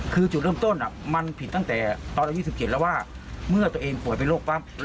คือจุดเริ่มต้นมันผิดตั้งแต่ตอนอายุ๑๗แล้วว่าเมื่อตัวเองป่วยเป็นโรคปั๊บ